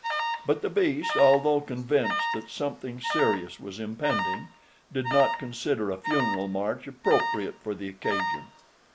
But the beast, although convinced that something serious was impending, did not consider a funeral march appropriate for the occasion.